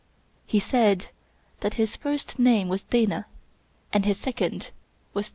He said that his first name was Dana, and his sec f ond was Da.